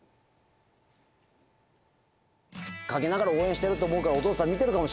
陰ながら応援してると思うからお父さん見てるかもしれない。